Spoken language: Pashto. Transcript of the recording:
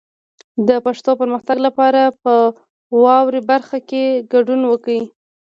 د پښتو پرمختګ لپاره په واورئ برخه کې ګډون وکړئ.